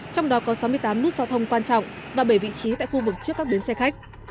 trong đó có sáu mươi tám nút giao thông quan trọng và bảy vị trí tại khu vực trước các bến xe khách